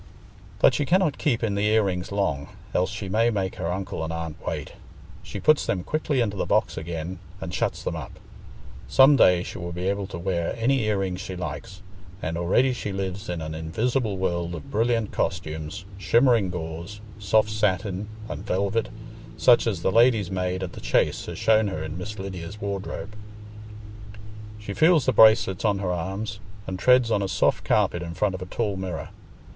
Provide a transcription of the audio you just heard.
But she cannot keep in the ear rings long, else she may make her uncle and aunt wait. She puts them quickly into the box again and shuts them up. Some day she will be able to wear any ear rings she likes, and already she lives in an invisible world of brilliant costumes, shimmering gauze, soft satin, and velvet, such as the lady's maid at the Chase has shown her in Miss Lydia's wardrobe. She feels the bracelets on her arms, and treads on a soft carpet in front of a tall mirror.